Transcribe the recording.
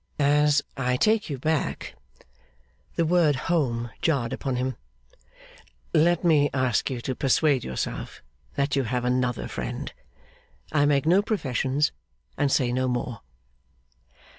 ' As I take you back,' the word home jarred upon him, 'let me ask you to persuade yourself that you have another friend. I make no professions, and say no more.